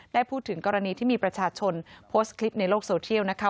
ได้พูดถึงกรณีที่มีประชาชนโพสต์คลิปในโลกโซเทียลนะคะ